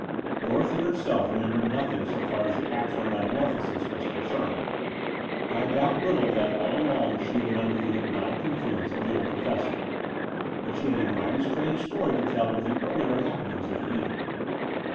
Dorothy herself remembered nothing so far as the actual metamorphosis was concerned, and I doubt little that all along she had been under the hypnotic influence of the old Professor : but she had a mighty strange story to tell of the earlier happen ings of the evening.